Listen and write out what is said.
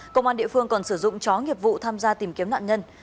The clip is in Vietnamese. công an địa phương còn sử dụng chó nghiệp vụ tham gia tìm kiếm nạn nhân